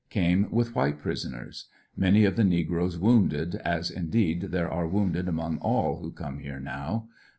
Came with white prisoners Many of the negroes wounded, as, indeed, there are wounded among all who come here now.